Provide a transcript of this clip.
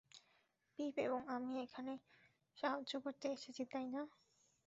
পিপ এবং আমি এখানে সাহায্য করতে এসেছি, তাই না?